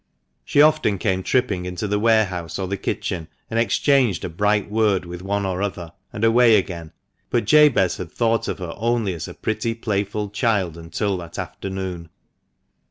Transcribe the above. She often came tripping into the warehouse or the kitchen, and exchanged a bright word with one or other, and away again ; but Jabez had thought of her only as a pretty playful child until that afternoon.